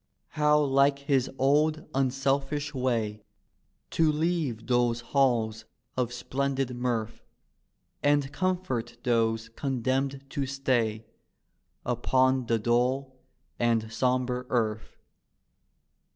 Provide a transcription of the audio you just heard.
How like his old unselfish way To leave those halls of splendid mirth And comfort those condemned to stay Upon the dull and sombre earth.